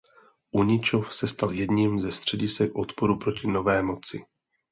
Uničov se stal jedním ze středisek odporu proti nové moci.